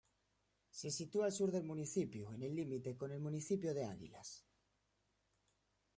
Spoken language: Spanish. Se sitúa al sur del municipio, en en límite con el municipio de Águilas.